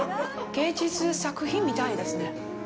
芸術作品みたいですね。